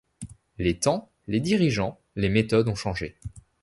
Les temps, les dirigeants, les méthodes ont changé.